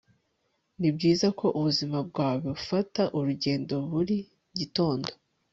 Nibyiza ko ubuzima bwawe bufata urugendo buri gitondo